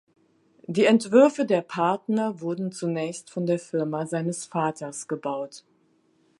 Die Entwürfe der Partner wurden zunächst von der Firma seines Vaters gebaut.